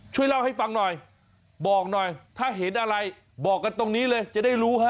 ช่วยเล่าให้ฟังหน่อยบอกหน่อยถ้าเห็นอะไรบอกกันตรงนี้เลยจะได้รู้ฮะ